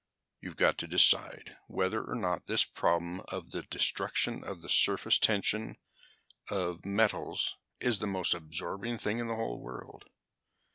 "You've got to decide whether or not this problem of the destruction of surface tension of metals is the most absorbing thing in the whole world.